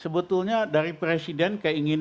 sebetulnya dari presiden keinginan